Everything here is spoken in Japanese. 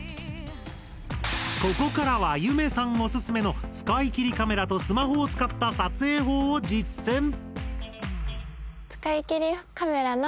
ここからはゆめさんおすすめの使い切りカメラとスマホを使った撮影法を実践！